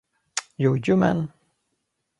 Jojomen!